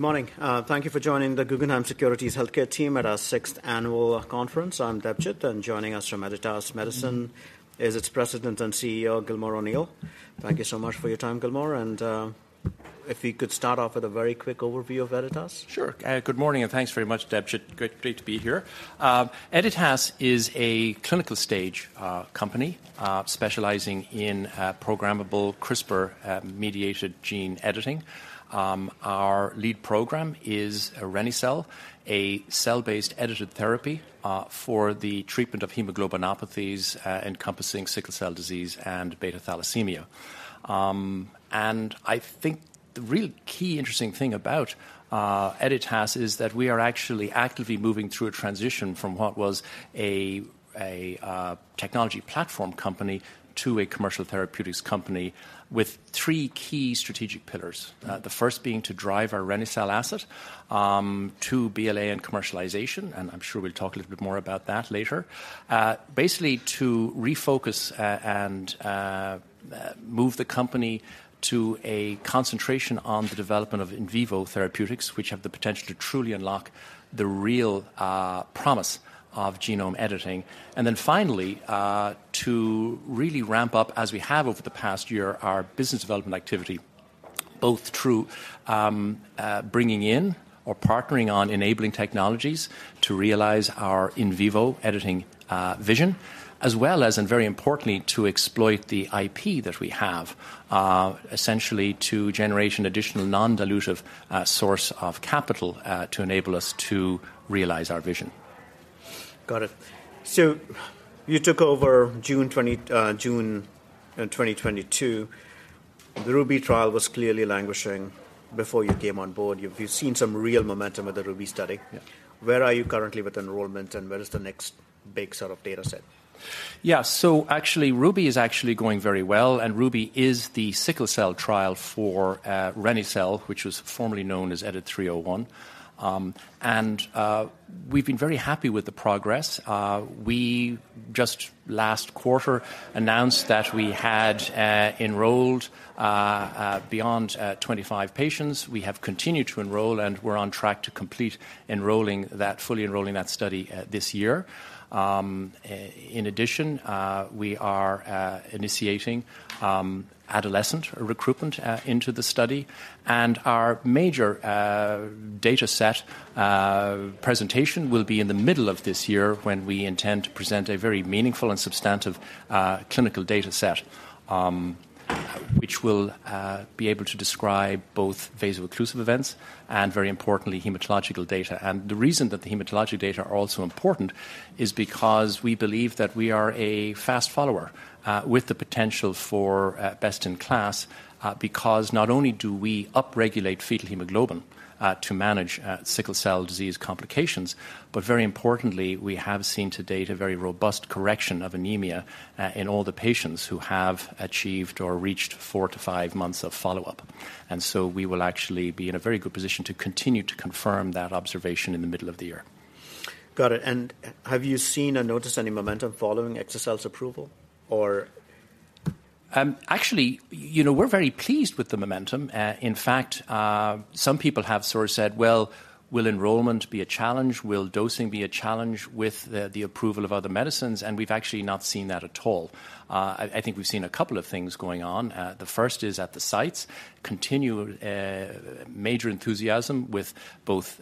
Good morning. Thank you for joining the Guggenheim Securities Healthcare team at our sixth annual conference. I'm Debjit, and joining us from Editas Medicine is its President and CEO, Gilmore O'Neill. Thank you so much for your time, Gilmore, and, if we could start off with a very quick overview of Editas. Sure. Good morning, and thanks very much, Debjit. Great, great to be here. Editas is a clinical stage company specializing in programmable CRISPR mediated gene editing. Our lead program is reni-cel, a cell-based edited therapy for the treatment of hemoglobinopathies encompassing sickle cell disease and beta thalassemia. And I think the real key interesting thing about Editas is that we are actually actively moving through a transition from what was a technology platform company to a commercial therapeutics company with three key strategic pillars. The first being to drive our reni-cel asset to BLA and commercialization, and I'm sure we'll talk a little bit more about that later. Basically, to refocus, and move the company to a concentration on the development of in vivo therapeutics, which have the potential to truly unlock the real promise of genome editing. And then finally, to really ramp up, as we have over the past year, our business development activity, both through bringing in or partnering on enabling technologies to realize our in vivo editing vision, as well as, and very importantly, to exploit the IP that we have, essentially to generate additional non-dilutive source of capital, to enable us to realize our vision. Got it. So you took over June 2022. The RUBY trial was clearly languishing before you came on board. You've seen some real momentum with the RUBY study. Yeah. Where are you currently with enrollment, and where is the next big sort of data set? Yeah. So actually, RUBY is actually going very well, and RUBY is the sickle cell trial for reni-cel, which was formerly known as EDIT-301. And we've been very happy with the progress. We just last quarter announced that we had enrolled beyond 25 patients. We have continued to enroll, and we're on track to complete enrolling that—fully enrolling that study this year. In addition, we are initiating adolescent recruitment into the study, and our major data set presentation will be in the middle of this year when we intend to present a very meaningful and substantive clinical data set, which will be able to describe both vaso-occlusive events and, very importantly, hematological data. And the reason that the hematological data are also important is because we believe that we are a fast follower, with the potential for best in class, because not only do we upregulate fetal hemoglobin to manage sickle cell disease complications, but very importantly, we have seen to date a very robust correction of anemia in all the patients who have achieved or reached 4-5 months of follow-up. And so we will actually be in a very good position to continue to confirm that observation in the middle of the year. Got it. And have you seen or noticed any momentum following exa-cel's approval or? Actually, you know, we're very pleased with the momentum. In fact, some people have sort of said: Well, will enrollment be a challenge? Will dosing be a challenge with the approval of other medicines? And we've actually not seen that at all. I think we've seen a couple of things going on. The first is at the sites, continued major enthusiasm with both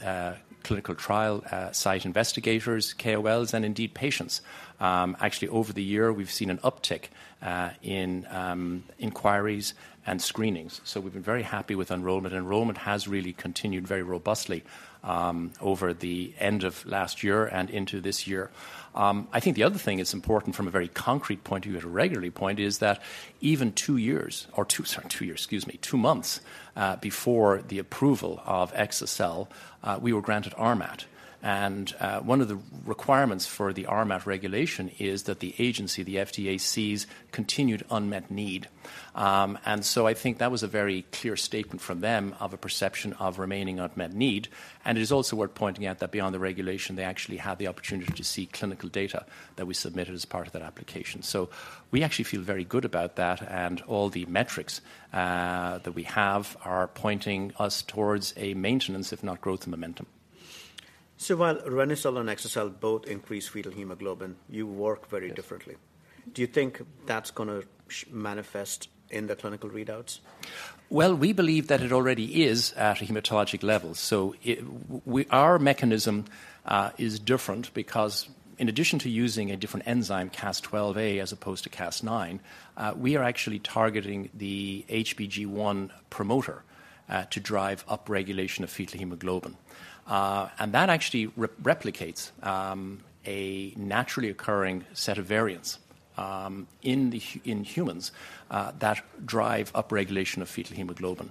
clinical trial site investigators, KOLs, and indeed, patients. Actually, over the year, we've seen an uptick in inquiries and screenings, so we've been very happy with enrollment. Enrollment has really continued very robustly over the end of last year and into this year. I think the other thing that's important from a very concrete point of view, a regulatory point, is that even two months before the approval of exa-cel, we were granted RMAT. One of the requirements for the RMAT regulation is that the agency, the FDA, sees continued unmet need. And so I think that was a very clear statement from them of a perception of remaining unmet need. It is also worth pointing out that beyond the regulation, they actually had the opportunity to see clinical data that we submitted as part of that application. We actually feel very good about that, and all the metrics that we have are pointing us towards a maintenance, if not growth in momentum. So while reni-cel and exa-cel both increase fetal hemoglobin, you work very differently. Yes. Do you think that's gonna manifest in the clinical readouts? Well, we believe that it already is at a hematologic level. So we, our mechanism, is different because in addition to using a different enzyme, Cas12a, as opposed to Cas9, we are actually targeting the HBG1 promoter to drive upregulation of fetal hemoglobin. And that actually replicates a naturally occurring set of variants in humans that drive upregulation of fetal hemoglobin.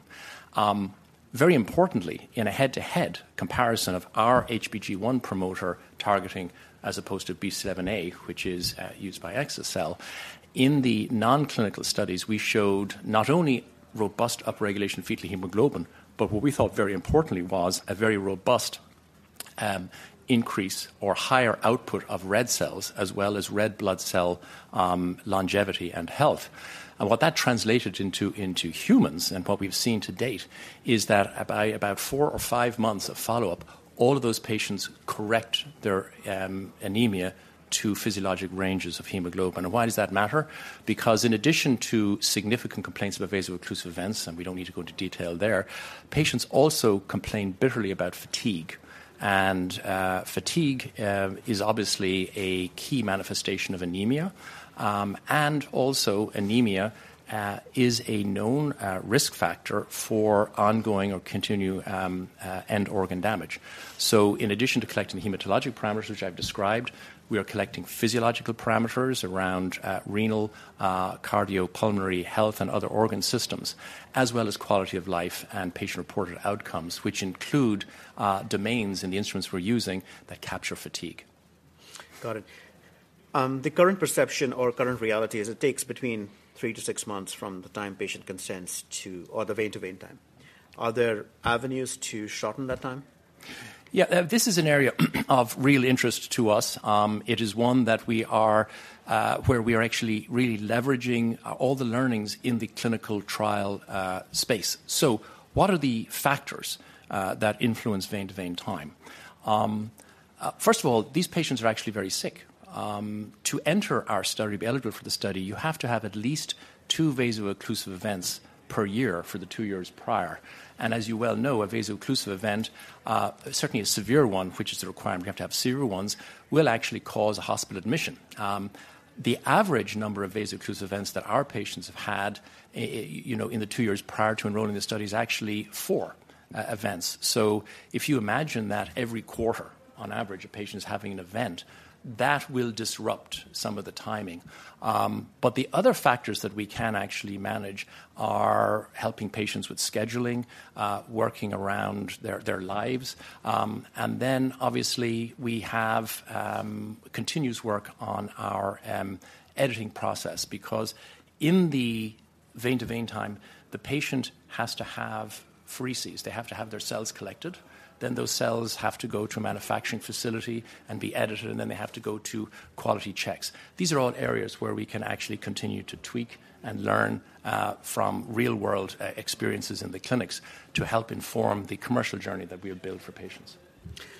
Very importantly, in a head-to-head comparison of our HBG1 promoter targeting, as opposed to BCL11A, which is used by exa-cel, in the non-clinical studies, we showed not only robust upregulation of fetal hemoglobin, but what we thought very importantly was a very robust increase or higher output of red cells, as well as red blood cell longevity and health. And what that translated into humans, and what we've seen to date, is that by about 4 or 5 months of follow-up, all of those patients correct their anemia to physiologic ranges of hemoglobin. And why does that matter? Because in addition to significant complaints about vaso-occlusive events, and we don't need to go into detail there, patients also complain bitterly about fatigue. And, fatigue is obviously a key manifestation of anemia, and also anemia is a known risk factor for ongoing or continue end organ damage. So in addition to collecting the hematologic parameters, which I've described, we are collecting physiological parameters around renal cardiopulmonary health and other organ systems, as well as quality of life and patient-reported outcomes, which include domains in the instruments we're using that capture fatigue. Got it. The current perception or current reality is it takes between 3-6 months from the time patient consents to—or the vein to vein time. Are there avenues to shorten that time? Yeah, this is an area of real interest to us. It is one that we are where we are actually really leveraging all the learnings in the clinical trial space. So what are the factors that influence vein-to-vein time? First of all, these patients are actually very sick. To enter our study, to be eligible for the study, you have to have at least two vaso-occlusive events per year for the two years prior. And as you well know, a vaso-occlusive event, certainly a severe one, which is a requirement, you have to have severe ones, will actually cause a hospital admission. The average number of vaso-occlusive events that our patients have had, you know, in the two years prior to enrolling in the study is actually four events. So if you imagine that every quarter, on average, a patient is having an event, that will disrupt some of the timing. But the other factors that we can actually manage are helping patients with scheduling, working around their, their lives. And then obviously, we have continuous work on our editing process, because in the vein to vein time, the patient has to have apheresis, they have to have their cells collected, then those cells have to go to a manufacturing facility and be edited, and then they have to go to quality checks. These are all areas where we can actually continue to tweak and learn from real-world experiences in the clinics to help inform the commercial journey that we have built for patients.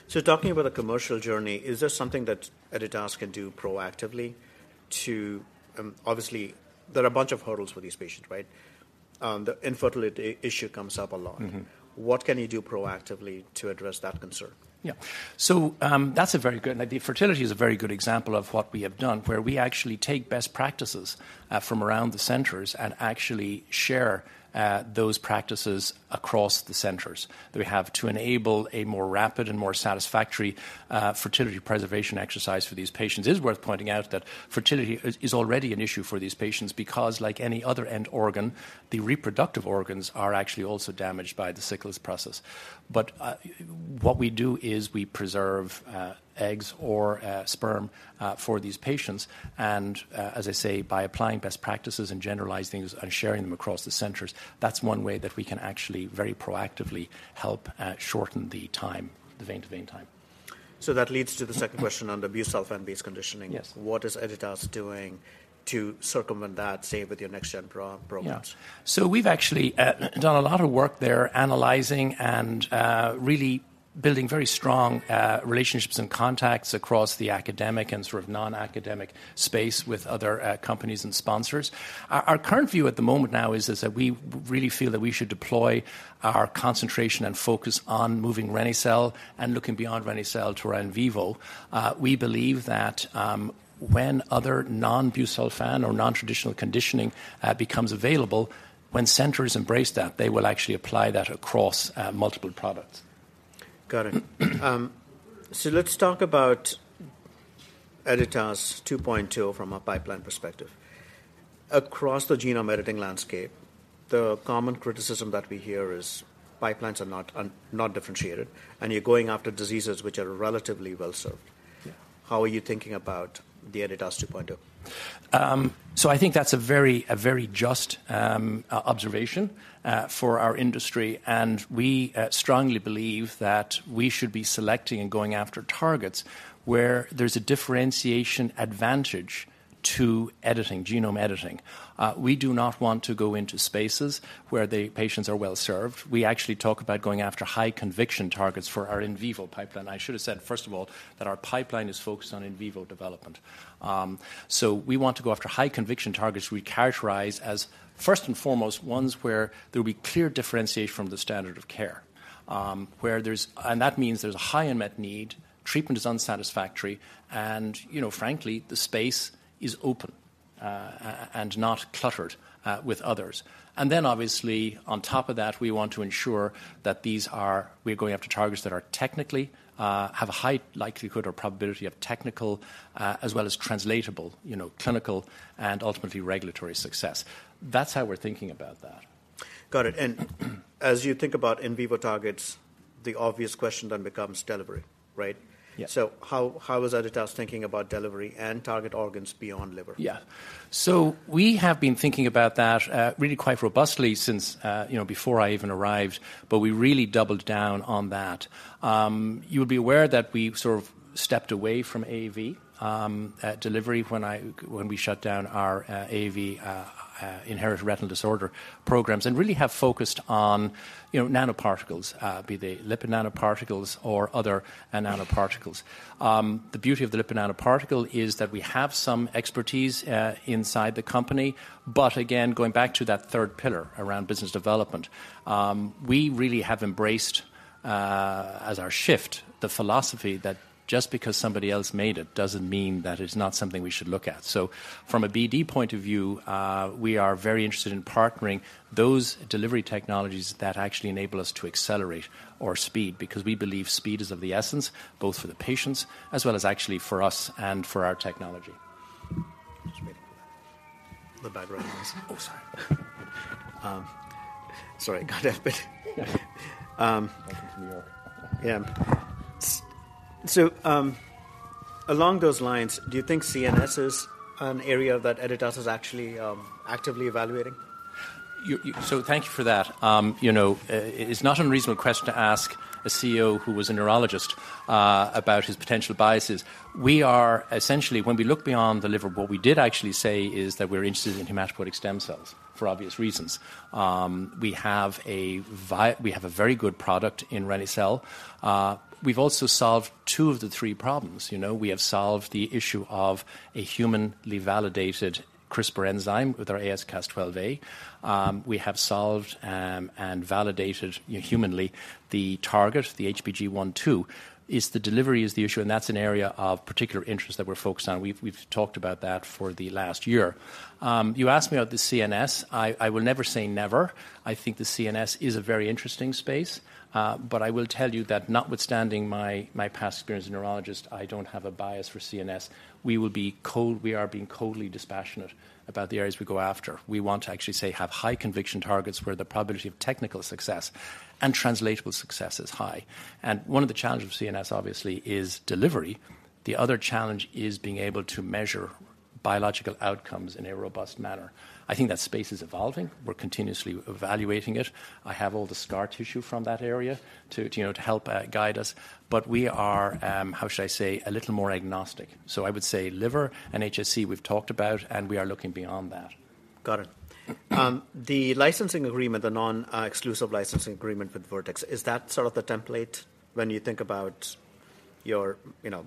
Talking about the commercial journey, is there something that Editas can do proactively to, obviously, there are a bunch of hurdles for these patients, right? The infertility issue comes up a lot. What can you do proactively to address that concern? Yeah. So, that's a very good. The fertility is a very good example of what we have done, where we actually take best practices from around the centers and actually share those practices across the centers. We have to enable a more rapid and more satisfactory fertility preservation exercise for these patients. It is worth pointing out that fertility is already an issue for these patients because like any other end organ, the reproductive organs are actually also damaged by the sickle cell process. But what we do is we preserve eggs or sperm for these patients, and as I say, by applying best practices and generalizing and sharing them across the centers, that's one way that we can actually very proactively help shorten the time, the vein to vein time. So that leads to the second question on the busulfan-based conditioning. Yes. What is Editas doing to circumvent that, say, with your next-gen pro- products? Yeah. So we've actually done a lot of work there, analyzing and really building very strong relationships and contacts across the academic and sort of non-academic space with other companies and sponsors. Our current view at the moment now is that we really feel that we should deploy our concentration and focus on moving reni-cel and looking beyond reni-cel to our in vivo. We believe that when other non-busulfan or non-traditional conditioning becomes available, when centers embrace that, they will actually apply that across multiple products. Got it. So let's talk about Editas 2.0 from a pipeline perspective. Across the genome editing landscape, the common criticism that we hear is pipelines are not differentiated, and you're going after diseases which are relatively well-served. Yeah. How are you thinking about the Editas 2.0? So I think that's a very just observation for our industry, and we strongly believe that we should be selecting and going after targets where there's a differentiation advantage to editing, genome editing. We do not want to go into spaces where the patients are well-served. We actually talk about going after high conviction targets for our in vivo pipeline. I should have said, first of all, that our pipeline is focused on in vivo development. So we want to go after high conviction targets we characterize as, first and foremost, ones where there will be clear differentiation from the standard of care, where there's. And that means there's a high unmet need, treatment is unsatisfactory, and, you know, frankly, the space is open, and not cluttered with others. And then, obviously, on top of that, we want to ensure that we're going after targets that are technically, have a high likelihood or probability of technical, as well as translatable, you know, clinical and ultimately regulatory success. That's how we're thinking about that. Got it. As you think about In vivo targets, the obvious question then becomes delivery, right? So how is Editas thinking about delivery and target organs beyond liver? Yeah. So we have been thinking about that, really quite robustly since, you know, before I even arrived, but we really doubled down on that. You'll be aware that we sort of stepped away from AAV delivery when we shut down our AAV inherited retinal disorder programs, and really have focused on, you know, nanoparticles, be they lipid nanoparticles or other nanoparticles. The beauty of the lipid nanoparticle is that we have some expertise inside the company, but again, going back to that third pillar around business development, we really have embraced, as our shift, the philosophy that just because somebody else made it, doesn't mean that it's not something we should look at. So from a BD point of view, we are very interested in partnering those delivery technologies that actually enable us to accelerate or speed, because we believe speed is of the essence, both for the patients as well as actually for us and for our technology. Just waiting for that. The background noise. Oh, sorry. Sorry, got it, but—Welcome to New York. Yeah. So, along those lines, do you think CNS is an area that Editas is actually actively evaluating? So thank you for that. You know, it's not unreasonable question to ask a CEO who was a neurologist, about his potential biases. We are essentially, when we look beyond the liver, what we did actually say is that we're interested in hematopoietic stem cells, for obvious reasons. We have a very good product in reni-cel. We've also solved two of the three problems. You know, we have solved the issue of a humanly validated CRISPR enzyme with our AsCas12a. We have solved and validated, humanly, the target, the HBG1-2. The delivery is the issue, and that's an area of particular interest that we're focused on. We've talked about that for the last year. You asked me about the CNS. I will never say never. I think the CNS is a very interesting space, but I will tell you that notwithstanding my past experience as a neurologist, I don't have a bias for CNS. We are being coldly dispassionate about the areas we go after. We want to actually say, have high conviction targets where the probability of technical success and translatable success is high. And one of the challenges of CNS, obviously, is delivery. The other challenge is being able to measure biological outcomes in a robust manner. I think that space is evolving. We're continuously evaluating it. I have all the scar tissue from that area to you know to help guide us. But we are a little more agnostic. So I would say liver and HSC, we've talked about, and we are looking beyond that. Got it. The licensing agreement, the non-exclusive licensing agreement with Vertex, is that sort of the template when you think about your, you know,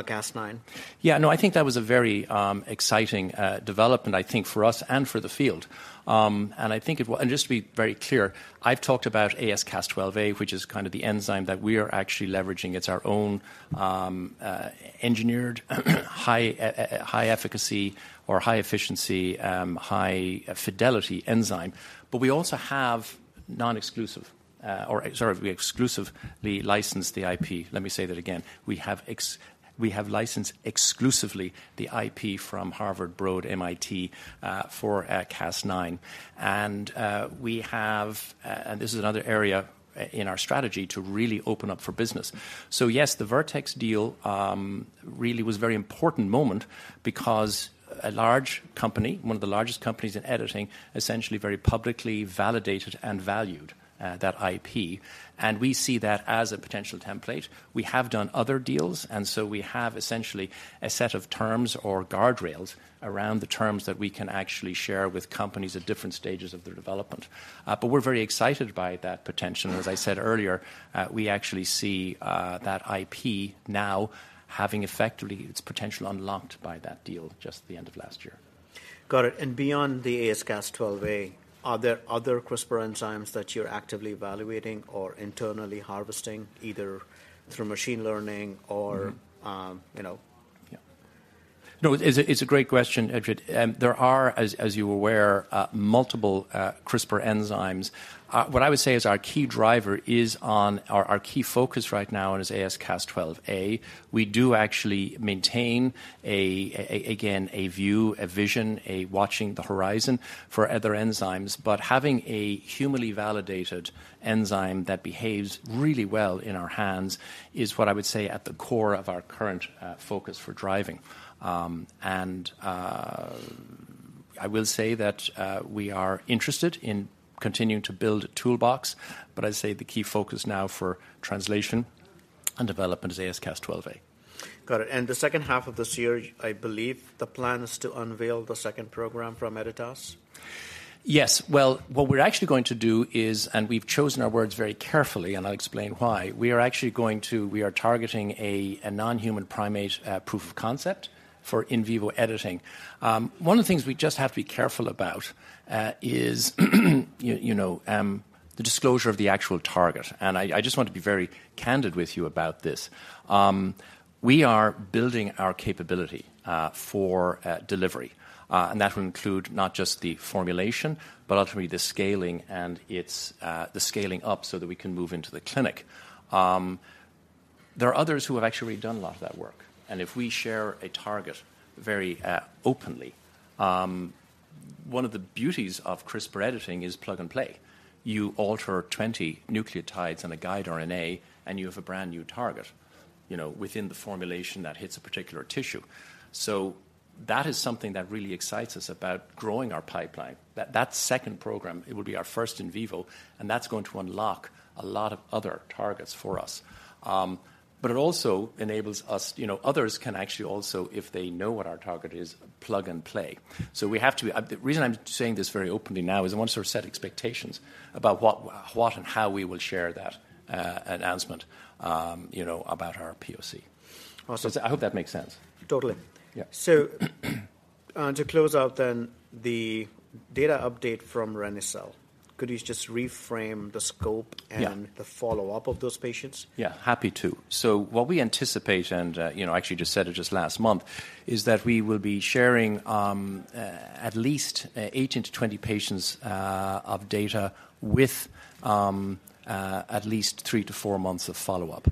Cas9? Yeah. No, I think that was a very exciting development, I think, for us and for the field. Just to be very clear, I've talked about AsCas12a, which is kind of the enzyme that we are actually leveraging. It's our own, engineered, high efficacy or high efficiency, high fidelity enzyme. But we also have non-exclusive, or sorry, we exclusively licensed the IP. Let me say that again. We have licensed exclusively the IP from Harvard, Broad, MIT, for Cas9. And we have... And this is another area in our strategy to really open up for business. So yes, the Vertex deal really was a very important moment because a large company, one of the largest companies in editing, essentially very publicly validated and valued that IP, and we see that as a potential template. We have done other deals, and so we have essentially a set of terms or guardrails around the terms that we can actually share with companies at different stages of their development. But we're very excited by that potential. As I said earlier, we actually see that IP now having effectively its potential unlocked by that deal just at the end of last year. Got it. And beyond the AsCas12a, are there other CRISPR enzymes that you're actively evaluating or internally harvesting, either through machine learning or, you know? Yeah. No, it's a great question, Debjit. There are, as you're aware, multiple CRISPR enzymes. What I would say is our key driver is. Our key focus right now is AsCas12a. We do actually maintain, again, a view, a vision, watching the horizon for other enzymes. But having a humanly validated enzyme that behaves really well in our hands is what I would say at the core of our current focus for driving. I will say that we are interested in continuing to build a toolbox, but I'd say the key focus now for translation and development is AsCas12a. Got it. And the second half of this year, I believe the plan is to unveil the second program from Editas? Yes. Well, what we're actually going to do is, and we've chosen our words very carefully, and I'll explain why. We are actually going to, we are targeting a non-human primate proof of concept for in vivo editing. One of the things we just have to be careful about is, you know, the disclosure of the actual target, and I just want to be very candid with you about this. We are building our capability for delivery, and that will include not just the formulation, but ultimately the scaling and its the scaling up so that we can move into the clinic. There are others who have actually done a lot of that work, and if we share a target very openly, one of the beauties of CRISPR editing is plug and play. You alter 20 nucleotides and a guide RNA, and you have a brand-new target, you know, within the formulation that hits a particular tissue. So that is something that really excites us about growing our pipeline. That second program, it will be our first in vivo, and that's going to unlock a lot of other targets for us. But it also enables us—you know, others can actually also, if they know what our target is, plug and play. So we have to. The reason I'm saying this very openly now is I want to sort of set expectations about what and how we will share that, announcement, you know, about our POC. Awesome. I hope that makes sense. Totally. Yeah. To close out then, the data update from reni-cel, could you just reframe the scope? Yeah And the follow-up of those patients? Yeah, happy to. So what we anticipate, and, you know, I actually just said it just last month, is that we will be sharing at least 18-20 patients of data with at least 3-4 months of follow-up.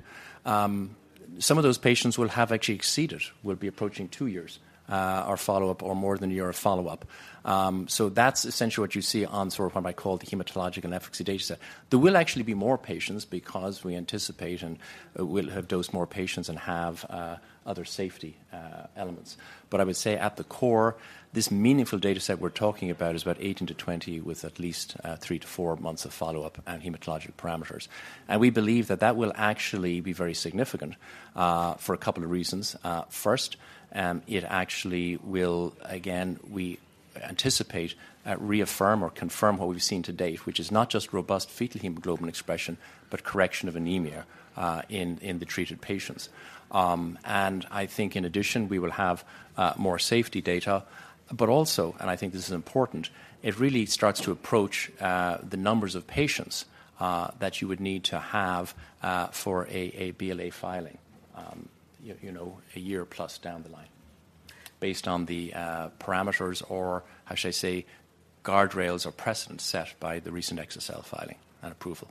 Some of those patients will have actually exceeded, will be approaching 2 years of follow-up or more than a year of follow-up. So that's essentially what you see on sort of what I call the hematological and efficacy data set. There will actually be more patients because we anticipate and will have dosed more patients and have other safety elements. But I would say at the core, this meaningful data set we're talking about is about 18-20, with at least 3-4 months of follow-up and hematological parameters. We believe that that will actually be very significant for a couple of reasons. First, it actually will, again, we anticipate, reaffirm or confirm what we've seen to date, which is not just robust fetal hemoglobin expression, but correction of anemia in the treated patients. And I think in addition, we will have more safety data, but also, and I think this is important, it really starts to approach the numbers of patients that you would need to have for a BLA filing, you know, a year plus down the line, based on the parameters or, how should I say, guardrails or precedents set by the recent exa-cel filing and approval.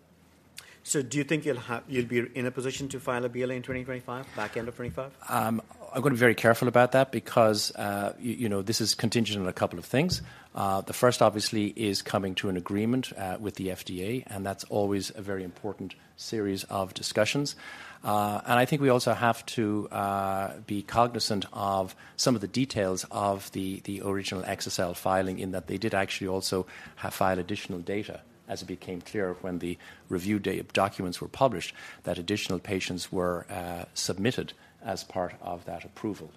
Do you think you'll be in a position to file a BLA in 2025, back end of 2025? I've got to be very careful about that because, you know, this is contingent on a couple of things. The first, obviously, is coming to an agreement with the FDA, and that's always a very important series of discussions. I think we also have to be cognizant of some of the details of the original Exa-cel filing in that they did actually also file additional data, as it became clear when the review documents were published, that additional patients were submitted as part of that approval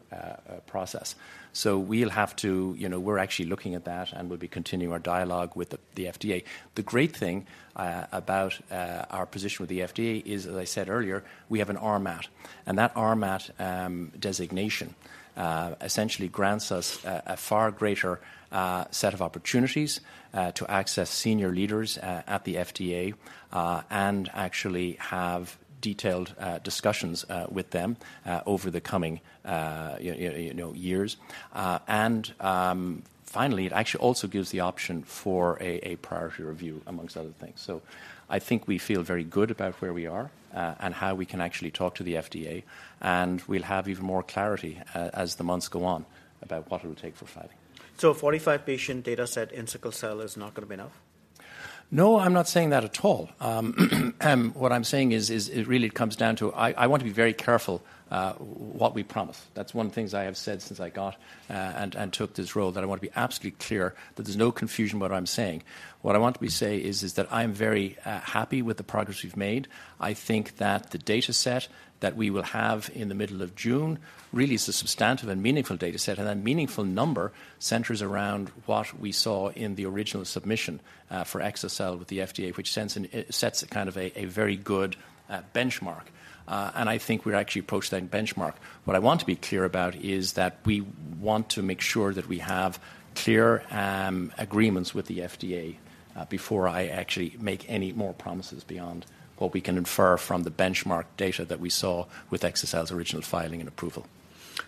process. So we'll have to... You know, we're actually looking at that, and we'll be continuing our dialogue with the FDA. The great thing about our position with the FDA is, as I said earlier, we have an RMAT, and that RMAT designation essentially grants us a far greater set of opportunities to access senior leaders at the FDA, and actually have detailed discussions with them over the coming, you know, years. And finally, it actually also gives the option for a priority review, amongst other things. So I think we feel very good about where we are, and how we can actually talk to the FDA, and we'll have even more clarity as the months go on about what it will take for filing. A 45-patient data set in sickle cell is not going to be enough? No, I'm not saying that at all. What I'm saying is that it really comes down to... I want to be very careful what we promise. That's one of the things I have said since I got and took this role, that I want to be absolutely clear, that there's no confusion what I'm saying. What I want to say is that I'm very happy with the progress we've made. I think that the data set that we will have in the middle of June really is a substantive and meaningful data set and that meaningful number centers around what we saw in the original submission for exa-cel with the FDA, which sets a kind of a very good benchmark. And I think we're actually approaching that benchmark. What I want to be clear about is that we want to make sure that we have clear, agreements with the FDA, before I actually make any more promises beyond what we can infer from the benchmark data that we saw with exa-cel's original filing and approval.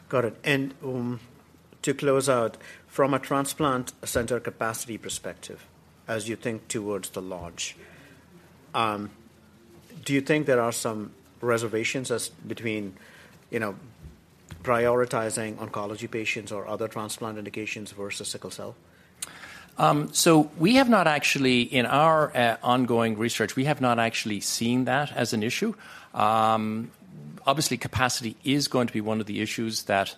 Got it. To close out, from a transplant center capacity perspective, as you think towards the launch, do you think there are some reservations as between, you know, prioritizing oncology patients or other transplant indications versus sickle cell? So we have not actually... In our ongoing research, we have not actually seen that as an issue. Obviously, capacity is going to be one of the issues that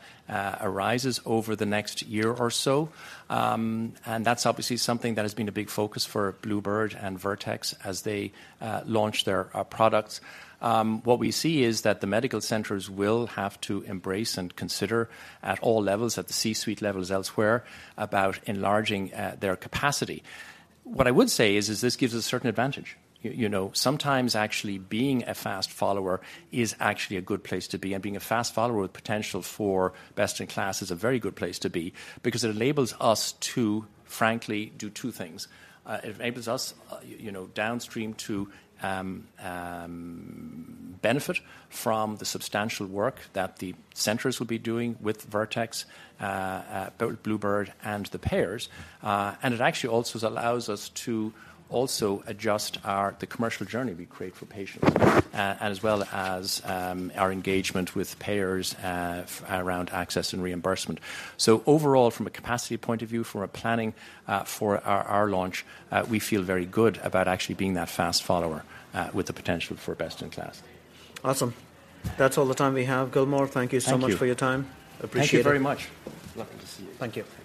arises over the next year or so. And that's obviously something that has been a big focus for Bluebird and Vertex as they launch their products. What we see is that the medical centers will have to embrace and consider at all levels, at the C-suite levels, elsewhere, about enlarging their capacity. What I would say is this gives us a certain advantage. You know, sometimes actually being a fast follower is actually a good place to be, and being a fast follower with potential for best in class is a very good place to be because it enables us to, frankly, do two things. It enables us, you know, downstream to benefit from the substantial work that the centers will be doing with Vertex, both Bluebird and the payers. And it actually also allows us to also adjust our the commercial journey we create for patients, and as well as, our engagement with payers, around access and reimbursement. So overall, from a capacity point of view, from a planning for our launch, we feel very good about actually being that fast follower with the potential for best in class. Awesome. That's all the time we have. Gilmore, thank you- Thank you. So much for your time. Appreciate it. Thank you very much. Lovely to see you. Thank you. Thank you.